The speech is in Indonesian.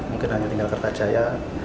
mungkin hanya tinggal kereta jaya